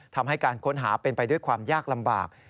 ทำให้การค้นหาเป็นไปด้วยความยากลำบาก